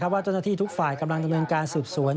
ว่าเจ้าหน้าที่ทุกฝ่ายกำลังดำเนินการสืบสวน